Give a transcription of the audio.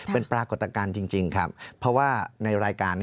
เป็นปรากฏการณ์จริงครับเพราะว่าในรายการ